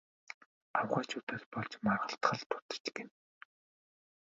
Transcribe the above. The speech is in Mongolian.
Авгайчуудаас болж маргалдах л дутаж гэнэ.